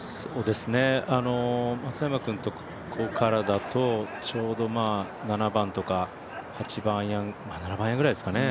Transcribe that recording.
松山君のここからだとちょうど８番とか７番アイアンぐらいですかね。